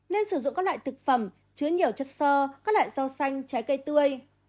nên sử dụng các loại thực phẩm chứa nhiều chất so các loại rau xanh trái cây tươi